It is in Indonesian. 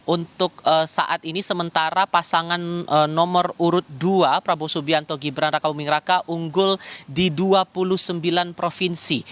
untuk saat ini sementara pasangan nomor urut dua prabowo subianto gibran raka buming raka unggul di dua puluh sembilan provinsi